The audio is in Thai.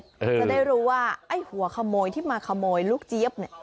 จะได้รู้ว่าไอ้หัวขโมยที่มาขโมยลูกเจี๊ยบเนี่ย